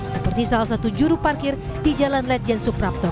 seperti salah satu juruparkir di jalan ledjen supraptor